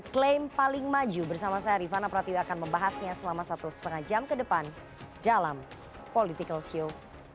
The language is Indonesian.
klaim paling maju bersama saya rifana pratiwi akan membahasnya selama satu lima jam ke depan dalam political show